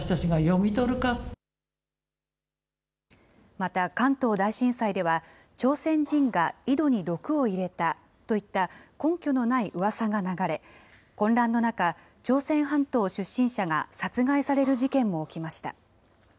また関東大震災では、朝鮮人が井戸に毒を入れたといった、根拠のないうわさが流れ、混乱の中、朝鮮半島出身者が殺害される事件も起きました。